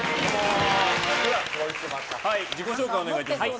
自己紹介をお願いします。